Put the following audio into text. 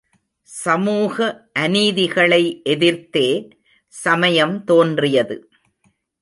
சமூக அநீதிகளை எதிர்த்தே சமயம் தோன்றியது.